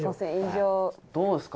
「どうですか？」